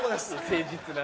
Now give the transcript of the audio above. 誠実な。